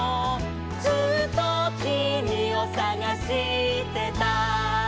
「ずっときみをさがしてた」